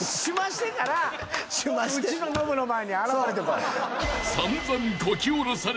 うちのノブの前に現れてこい。